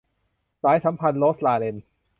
สายสัมพันธ์ - โรสลาเรน